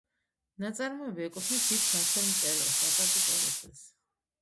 ნაწარმოები ეკუთვნის დიდ ქართველ მწერალს, აკაკი წერეთელს.